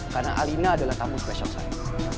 karena alina adalah tamu spesial saya